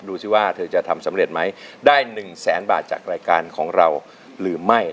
ดูสิว่าเธอจะทำสำเร็จไหมได้๑แสนบาทจากรายการของเราหรือไม่